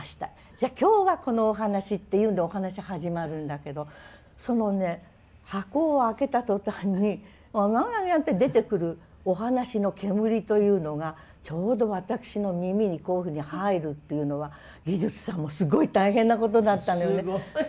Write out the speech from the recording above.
じゃあ今日はこのお話」っていうのでお話始まるんだけどそのね箱を開けた途端にほわんわんって出てくるお話の煙というのがちょうど私の耳にこういうふうに入るっていうのは技術さんもすごい大変なことだったのよね。